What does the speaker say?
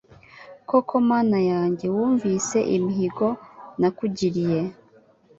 Koko Mana yanjye wumvise imihigo nakugiriye